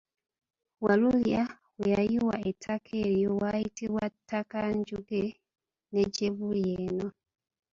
Walulya we yayiwa ettaka eryo wayitibwa Ttakajjunge ne gye buli eno.